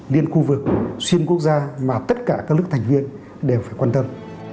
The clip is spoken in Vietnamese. liên khu vực xuyên quốc gia mà tất cả các nước thành viên đều phải quan tâm